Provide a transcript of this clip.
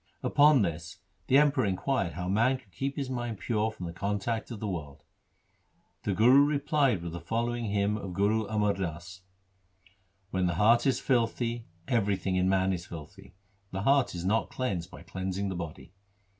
Upon this the Emperor inquired how man could keep his mind pure from the contact of the world. The Guru replied with the following hymn of Guru Amar Das :— When the heart is filthy, everything in man is filthy ; the heart is not cleansed by cleansing the body.